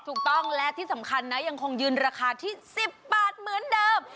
ถูกต้องและที่สำคัญนะยังคงยืนราคาที่๑๐บาทเหมือนเดิม